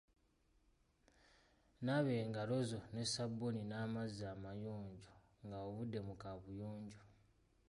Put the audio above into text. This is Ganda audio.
Naaba engalo zo ne sabbuuni n'amazzi amayonjo nga ovudde mu kaabuyonjo.